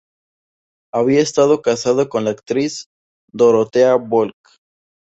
Había estado casado con la actriz Dorothea Volk.